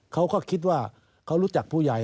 เขาก็คิดว่าเขารู้จักผู้ใหญ่